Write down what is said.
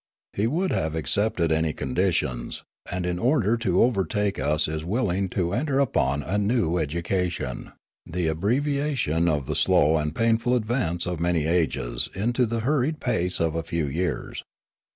He would have accepted any conditions, and in order to overtake us is willing to enter upon a new education, — the abbrevia tion of the slow and painful advance of many ages into the hurried pace of a few years.